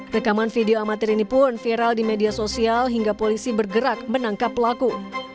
rekaman video amatir ini pun viral di media sosial hingga polisi bergerak menangkap pelaku